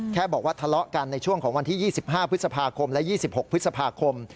แค่บอกว่าทะเลาะกันในช่วงของวันที่๒๕พฤษภาคมและ๒๖พฤษภาคม